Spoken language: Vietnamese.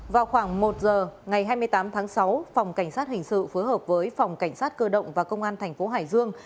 vào khoảng một giờ ngày hai mươi tám tháng sáu phòng cảnh sát hình sự phối hợp với phòng cảnh sát cơ động và công an thành phố hải dương